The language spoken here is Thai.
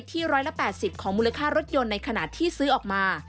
๑๘๐ของมูลค่ารถยนต์ในขณะที่ซื้อออกมา